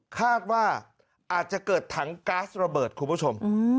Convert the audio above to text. คาดว่าอาจจะเกิดถังก๊าซระเบิดคุณผู้ชม